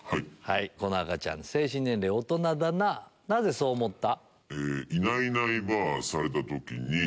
この赤ちゃん精神年齢大人だななぜそう思った？